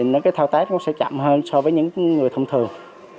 thì thao tác cũng sẽ chậm hơn so với những người thông thường